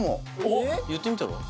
言ってみたら？